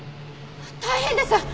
大変です！